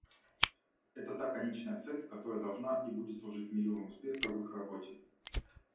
Это та конечная цель, которая должна и будет служить мерилом успеха в их работе.